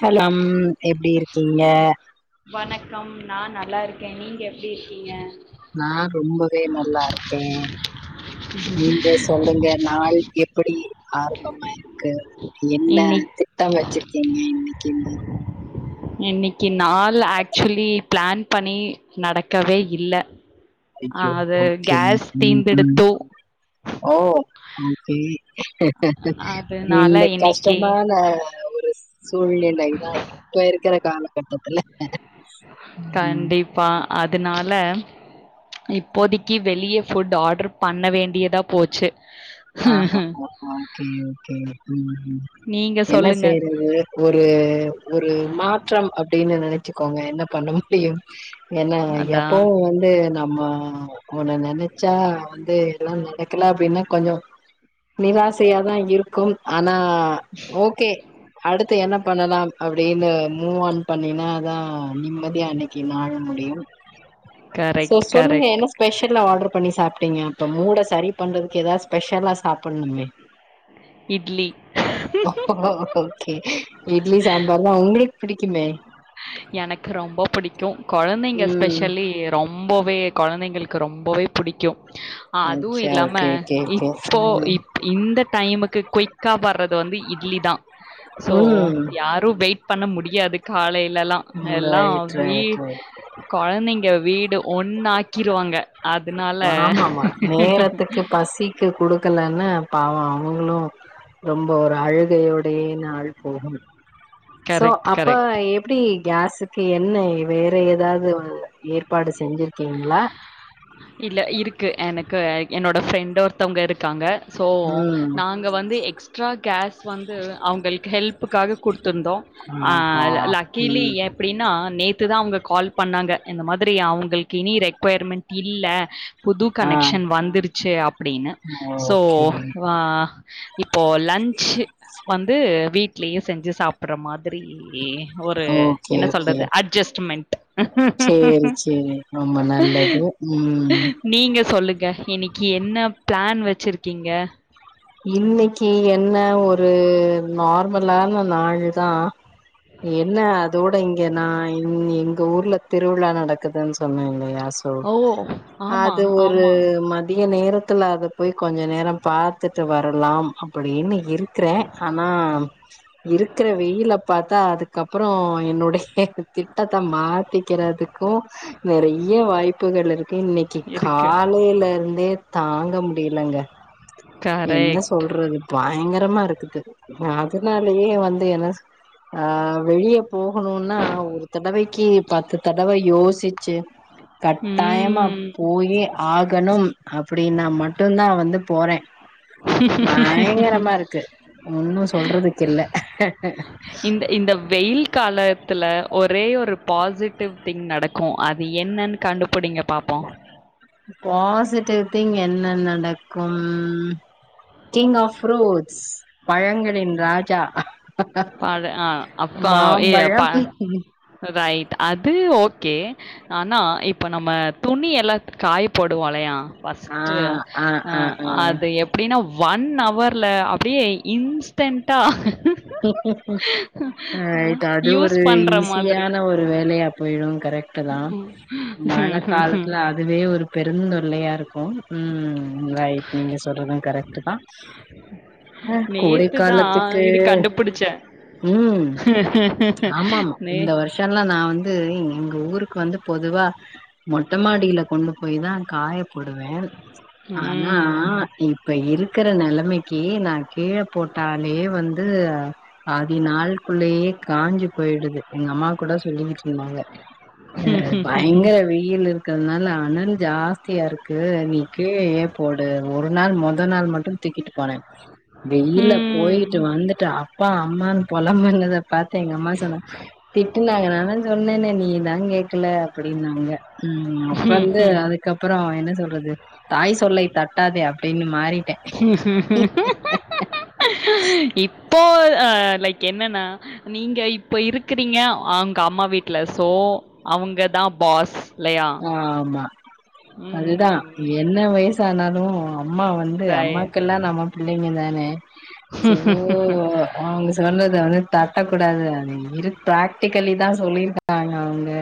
Hello அ ம் எப்படி இருக்கீங்க வணக்கம் நா நல்லாருக்கே நீங்க எப்படி இருக்கீங்க நா ரொம்பவே நல்லா இருக்கே நீங்க சொல்லுங்க நாள் எப்படி ஆரம்பமாயிருக்கு என்ன இன்னிக் திட்டம் வச்சிருக்கீங்க இன்னைக்குன்னு இன்னைக்கு நாள் ஆக்சுவலி பிளான் பண்ணி நடக்கவே இல்ல ஆ அச்சோ அது ஓகே கேஸ் உம் தீந்துடுத்து ஓ ஓகே அதுனால இந்த இன்னிக்கி கஷ்டமான ஒரு சூழ்நிலைதா இப்ப இருக்கிற காலகட்டத்தில கண்டிப்பா அதனால் இப்போதைக்கி வெளியே ஃபுட் ஆர்டர் பண்ண வேண்டியதா போச்சு ஹ ஹ ஓகே ஓகே நீங்க என்ன சொல்லுங்க செய்யறது ஒரு ஒரு மாற்றம் அ அப்டின்னு நினைச்சுக்கோங்க என்ன பண்ண முடியும் என்ன அதா எப்பவும் வந்து நம் ஆஹ் ஒன்னு நினைச்சா வந்து எல்லாம் நடக்கலே அப்டின்னா கொஞ்சம் நிராசையாதான் இருக்கும் ஆனா ஆஹ் ஓகே அடுத்து என்ன பண்ணலாம் அப்படினு மூவ ஆன் பண்ணினா தான் நிம்மதியா அன்னைக்கு நாள் முடியும் சோ கரெக்ட் சொல்லுங்க கரெக்ட் என்ன ஸ்பெஷல்லா ஆர்ட்ரு பண்ணி சாப்ட்டீங்க இப்ப மூட சரி பண்றதுக்கு ஏதாச்சு ஸ்பெஷலா சாப்பட்ணுமே இட்லி ஓ ஓகே இட்லி சாம்பார் தான் உங்களுக்கு பிடிக்குமே எனக்கு ரொம்ப புடிக்கும் குழந்தைங்க ம் ஸ்பெஷலி ரொம் ரொம்பவே குழந்தைங்களுக்கு ரொம்பவே பிடிக்கும் அதுவும் அச்சா இல்லாம ஓகே ஓகே ஓகே இப்போ இ இந்த டைமுக்கு குயிக்கா வர்றது வந்து இட்லி தான் சோ ம் யாரும் வெயிட் பண்ண முடியாது காலை லாம் ம் எல்லாம் ரைட் வீ ரைட் ரைட் குழந்தைங்க வீட் ஒண்ணாக்கிருவாங்க அதனால ஆமாமா க்கலனா பாவம் அவங்களும் ரொம்ப ஒரு அழுகையோடையே நாள் போகும் சோ கரெக்ட் அப்ப கரெக்ட் எப்படி கேஸுக்கு என்ன வேற ஏதாவது ஏற்பாடு செஞ்சு கீங்களா க்கு எனக்கு என்னோட ஃப்ரெண்டு் ஒருத்தவங்க இருக்காங்க ஸோ ம் நாங்க வந்து எக்ஸ்ட்ரா கேஸ் வந்து அவங்களுக்கு ஹெல்ப்புக்காக கொடுத்துருந்தோம் ஆஹா லக்கிலி ம் எப்படின்னா நேத் நேத்து தான் அவங்க கால் பண்ணாங்க இந்த மாதிரி அவங்களுக்கு இனி ரெக்வயர்மென்ட் இல்ல புது ஆ கனெக்ஷன் வந்துருச்சு அப்படின்னு சோ ஓகே ஆஹ் இப்போது லன்ச்சு வந்து வீட்லயே செஞ்சு சாப்பிட்ற மாதிரி ஒரு ஓகே என்ன ஓகே சொல்றது அட்ஜஸ்ட்மெண்ட் சேரி சேரி ஆமா நல்லது உம் நீங்க சொல்லுங்க இன்னைக்கி என்ன பிளான் வச்சிருக்கீங்க இன்னைக்கி எத் என்ன ஒரு நார்மலான நாள்தா என்ன அதோட இங்க நா என்னி எங்க ஊர்ல திருவிழா நடக்குதுன் சொன்ன இல்லையாஸ் சோ ஓ! ஆமா, அது ஒரு ஆமா. மதிய நேரோ த்துல அது போய் கொஞ்ச நேரோ பாத் த்துட்டு வரலாம் அப்டின்னு இருக்றே ஆனா இருக்ற வெயில பாத்தா அதுக்கப்ரோ என்னுடைய திட்டத்த மாத்திக்றதுக்கு நெறைய வாய்ப்புகள் இருக் கு இன்னைக்கு இருக்கு. காலைலருந்தே தாங்க முடிலங்க என்ன கரெக்ட். சொல்றது பா பயங்கரமாருக்குது அதனாலே வந்து என்ன சொ ஆ வெளிய போகணுனா ஒரு தடவைக்கு பத்து தடவ யோசிச்சி கட்டாயமா ம். போயே ஆகணும் அப்டின்னா மட்டு தா வந்து போறே பயங்கரமாருக்கு ஒன்னு சொல்றதுக் கில்ல அக் க இந்த இந்த வெயில் கால த்துல ஒரே ஒரு பாசிட்டிவ் திங் நடக்கு அது என்னன் கண்டுபுடிங்க பாப்போ பாசிட்டிவ் திங் என்ன நடக்கும் கிங் ஆப் ஃப்ரூட்ஸ் பழங்களின் ராஜா பழ அப்பா ஏ அப்பா மாம்பழம் ரைட் அது ஓ கே ஆனா இப்போ நம்ம துணி எல்லா காய போடுவோலயா ஆ ஃபஸ்ட்டு ஆ அது எப்டினா ஒன் அவர்ல அப்டியே இன்ஸ்டென்ட்டா அ இது அது யூஸ் ஒரு பண்ற மாதிரி ஈஸியான ஒரு வேலையா போய்ரு கரெக்ட் டுதா மழ காலத்துல அதுவே ஒரு பெருந்தொல்லையாருக்கு ம் ரைட் நீங்க சொல்றது கரெக்ட்டு தா கோடை நேத்துதா காலத்துக்கு இது கண்டுபிடிச்சே ம் ஆமாம்மா நே இந்த வர்ஷோலா நா வந்து எங்க ஊருக்கு வந்து பொதுவா மொட்டமாடில கொண்டு போய் தா காய போடுவ ஆனா ம் இப்ப இருக்குற நெலமை கி நா கீழ போட்டாலே வந் ந்து பாதி நாள் குள்ளே யே காஞ்சி போயிடுது எங்க அம்மா கூட சொல்லிவிட்ருதாங்க அ பயங்கர வெயிலு இருக்கறனால அனல் ஜாஸ்தியாருக்கு நீ கிழயே போடு ஒரு நாள் மொத நாள் மட்டு துக்கிட்டு போன வெயில்ல ம் போயிட்டு வந்துட்டா அப்பா அம்மனு பொலம்புனத பாத்து எங்க அம்மா சொனா திட்டுனாங்க நாதா சொன்னேனே நீதா கேக்கல அப்டின்னாங்க ம் அப்ப வந்து அதுக்கப்புரொ என்ன சொ அது தாய் சொல்லை தட்டாதே அப்டின்னு மாறிட்டே இப்போ லைக் என்னன்னா நீங்க இப்போ இருக்கிறீங்க அவுங்க அம்மா வீட்ல ஸோ அவங்க தா பாஸ் இல்லையா ஆமா அதுதா ம் என்ன வயசானாலு அம்மா வந்து ரைட் அம்மாகெல்லா நம ங்க தானே ஸோ அவுங்க சொன்ன தட்டக்கூடாது [unintelligible] கள்ளி தா சொல்லிர்ருக்காங் அவுங்க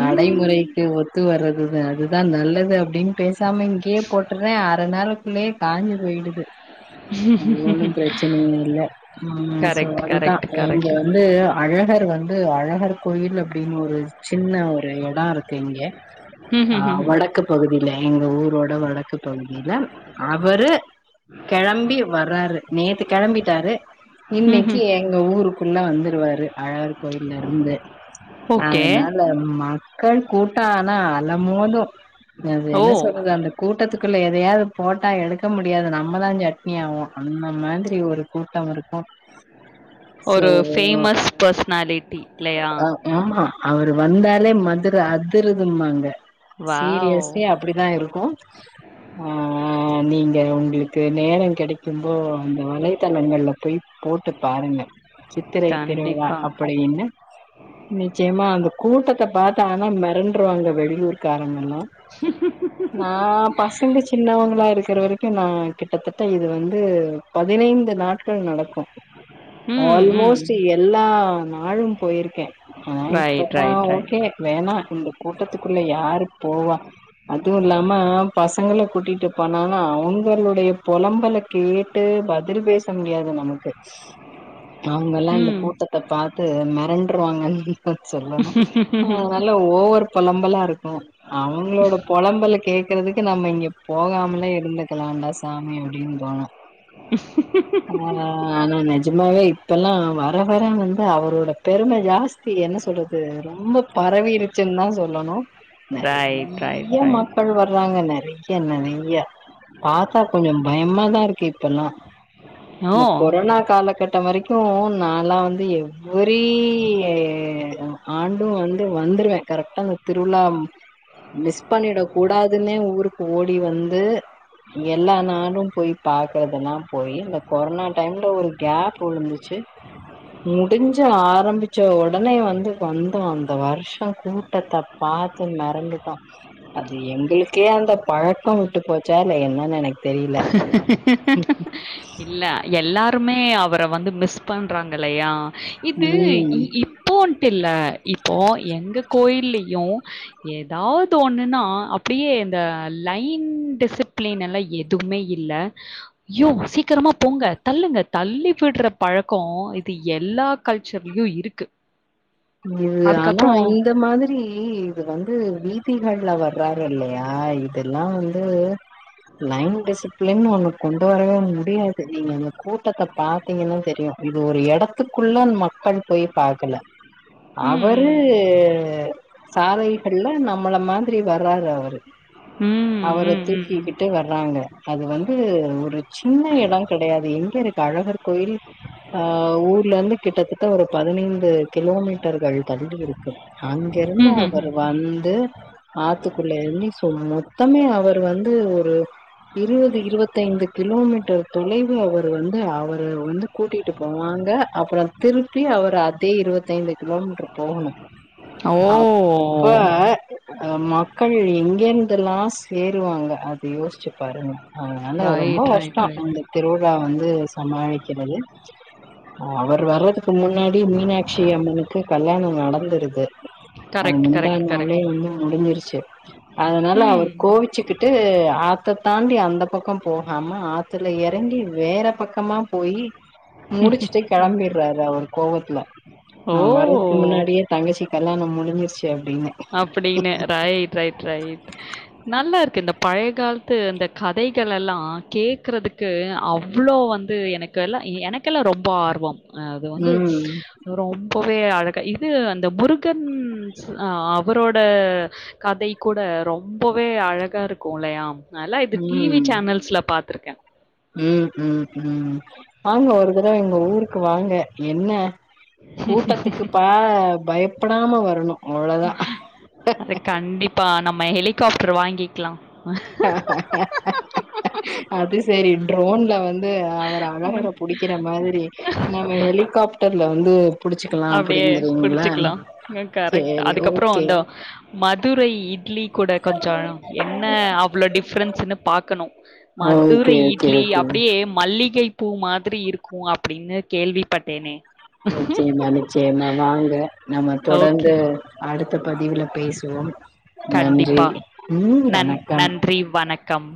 நடைமுறை ம் ஒத்து வரதுதா அதுதா நல்லது அப்டின்னு பேச சம இங்கே போட்டுறே அர நாள்குள்ளயே காஞ்சு போயிடுது ஒன்னு பிரச்சன இல்ல சோ கரெக்ட் அதுதா கரெக்ட் இங்கே கரெக்ட் வந்து அழகர் வந்து அழகற் கோயில்ல அப்டின்னு ஒரு சின்ன ஒரு இடோ இருக் ங்க ம் அ ம் வடக்கு பகுதில எங்க ஊரோட வடக்கு தொகுதில அவரு கிளம்பி வர்றாரு நேத்து கேளம்பிட்டாரு ம் இன்னேக்கி ம் எங்க ஊருக்குள்ள வந்து வருவாரு அழர் கோயிலருந்து ஓகே அதுனால மக்கள் கூட்ட ஆனா அலமோது அது ஓ என்ன சொல்றது அந்த கூட்டத்துக் எதையாவது போட்டா எடுக்க முடியாது நம்ம தா சட்னி அவோ அந்த மாதிரி ஒரு கு டவர் ஒரு பேஃமஸ் பர்சனாலிட்டி இல்லையா அவர் வந்தாலே மத அதுருதூ மாங்க வாவ்! சீரியஸே அப்டிதா இருக்கு அ நீங் உங்களுக்கு நேரோ கெடைக்கும்போ அந்த வலைத்தளங்கள்ல போய் போட்டு பாருங்க சித்தரை திருவிழா கண்டிப்பா. அப்படின்னு நிச்சயமா அந்த கூட்டத்த பாத் ஆனா மெறண்றுவாங்க வெளியூர் காரங்கள்ளா நா பசங்க சின்னவங்களா இருக்கற வரைக்கு நா கிட்டத்தட்ட இது வந்து பதினைந்து நாட்கள் நடக் ஓகே ம், ம். ஆல்மோஸ்ட் எல்லா நாளும் போயிருக்கே ஆ ரைட், இப்பத்தா ரைட், ரைட். ஓகே வேணா இந்த கூட்டத்துக்குள்ள யாரு போவா அதுவு இல்லாம பசங்கள கூட்டிட்டு போனாலா அவங்களுடைய பொலம்பலுக் கேட்டு பதில் பேச முடியாது நமக்கு அவங்கல்லா இந்த ம். கூட்டத்த பாத்து மெரண்டுருவாங்கன் சொல்லணும் ஓ [unintelligible] ஓவர் பொலம்பலா இருக் கு அவங்களோட பொழம்பல கேக்கறதுக்கு நம்ம இங்க போகாமலே இருந்துக்கலாம்டா சாமி அப்டின் தோணு ஆ ஆனா நெஜமாவே இப்பல்லா வர வர வந்து அவரோட பெரும ஜாஸ்தி என்ன சொல்றது ரொம் பரவிருச்சுன் தா சொல்லணு ரைட், ரைட், நெறைய ரைட். மக்கள் வர்றாங்க நெறைய நெறைய பாத்தா கொஞ்சோ பய பயமா தா இருக்கு இப்பல்லா இந்த ஓ! கொரோனா காலகட்ட வரைக்கு கு நாளா வந்து எ ஒரீயே எடோ ஆண்டு வந் து வந்துருவே கரெக்டா இந்த திருவிழாம் மிஸ் பண்ணிட கூடாதுன்னே ஊருக்கு ஓடி வந்து எல்லா நாளும் போய் பாக்குறதல்லா போயி இந்த கொரோனா டைம்ல ஒரு கேப் விழுந்துச்சு முடிஞ்ச ஆரம்பிச்ச உடனே வந்து வந்தோ அந்த வருஷோ கூட்டத்த பாத்து மெறண்டுட்டோ அது எங்களுக்கே அந்த பழக்கோ விட்டு போச்சா இல்ல என்ன நெனைக் இல்ல எல்லா ருமே அவர வந்து மிஸ் பண்றாங்க இல்லயா இது இ ம் இப்போன்ட்டு இல்ல இப்போ எங்க கோயில்லயும் ஏதாவது ஒண்ணுன்னா அப்டியே இந்த லைன் டிசிப்ளின் எல்லா எ துமே இல்ல யோவ் சீக்கரமா போங்க தள்ளுங்க தள்ளி விட்ற பழக்கோ இது எல்லா கல்ச்சர்லயு இருக்கு இது ஆனா அதுக்கப்புறம் இந்த மாதிரி இது வந்து வீதிகள்ல வ [unintelligible] இல்லையா இதெல்லா வந்து லைன் டிசிப்ளின்னு ஒன்னு கொண்டு வரவே முடியாது நீங்க அந்த கூட்டத்த பாத்தீங்கன்னா தெரியு இது ஒரு எடத்துக்குள்ள மக்கள் போய் பாக்கல அவரு ம். சாலைகள்ல நம் நம்மள மாதிரி வர்றாரு அவரு ம். ம், அவர ம், ம், ம். தூக்கிக்கிட்டு வர்றாங்க அது வந்து ஒரு சின்ன எடங்கெடையாது எங்க இருக் அழகர் கோயில் ஆ ஊர்ல இருந்து கிட்டத்தட்ட ஒரு பதினைந்து கிலோ பக்தர்கள் தள்ளி இருக்கு அங்கிருந்து அவர் ம்ஹ்ஹ்ம். வந்து ஆத்துக்குள்ள எரங்கி சோ மொத்தமே அவர் வந்து ஒரு இருவது இருவத்தைந்து கிலோமீட்டர் தொலைவு அவர் வந்து அவ அவரு வந்து கூட்டிட்டு போவாங்க அப்புறோ திருப்பி அவர் அத் தி இருபத்தைந்து கிலோமீட்டர் போகணு ஓ! அப்ப மக்கள் எங்க எந்தெலா சேருவாங்க அது யோசிச்சு பாருங்க அதனால ரொம்போ ரைட், ரைட், கஷ்டோ ரைட். அந்த திருவிழா வந்து சமாளிக்கிறது அவர் வர்றதுக்கு முன்னாடி மீனாட்சி அம்மனு கல்யாணம் நடந்துருது அது கரெக்ட், கரெக்ட், முந்தான் நாலே கரெக்ட். வந்து முடிஞ்சிருச்சு அதனால ம். அவர் கோவிச்சுக்கிட்டு ஆத்த தாண்டி அந்த பக்கோ போகாம ஆ த்துல எறங்கி வேற பக்கமா போயி முடிச்சுட்டு கெளம்பிடுறாரு அவர் கோவத்துல ஆ வறதுக்கு ஓ! முன்னாடியே தங்கச்சி கல்யாணம் முடிஞ்சிருச் அப்படின்னு ரைட் ரைட் ரைட் நல்லா இருக்கு இந்த பழைய காலத்து அந்த கதைகளெல்லா கேட்குறதுக்கு அவ்வுளோ வந்து எனக்கெல்லா எனக்கெல்லா ரொம்ப ஆர்வோ அது வந்து ம் ரொம் போய் அழக இது அந்த முருகன் அவரோட கதை கூட ரொம்பவே அழகா இருக்கு இல்லையா அதெல்லாம் இது டிவி உம் சேனல்ஸ்ல பார்த்துருக்கேன். உம் உம் உம் வாங்க ஒரு தடவ எங்க ஊருக்கு வாங்க என்ன கூட்டத்துக்கு பா பயப்படாம வரணு அவ்ளோதா அது கண்டிப் இப்ப நம்ம ஹெலிகாப்டர் வாங்கிக்லா அது செரி ட்ரோன்ல வந் து அவர் அழகர புடிக்கிற மாதிரி நம்ம ஹெலிகாப்டர் ல வந்து புடிச்சுக்கலா அப்டியே அப்டிங்கிறீங்களா புடிச்சுக்கலா கரெக்ட் சேரி அதுக்கப்றோ ஓகே அந்த மதுரை இட்லி கூட கொஞ்சோ என்ன அவ்ளோ டிஃப்ரன்ஸ்ஸுனு பாக்கணு okay Madurai okay idli okay அப்டியே மல்லிகை பூ மாதிரி இருக்கூ அப்டின்னு கேள்விப்பட்டேனே ஆ ‌சேரி நானே செரிமா வாங்க நம்ம தொடர்ந்து ஓகே அடுத் த பதிவுல பேசுவோ கண்டிப்பா நன் வணக்கம் நன்றி வணக்கம்